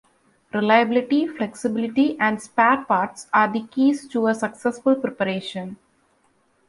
Reliability, flexibility, and spare parts are the keys to a successful preparation.